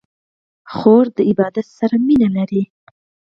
خور د عبادت سره مینه لري.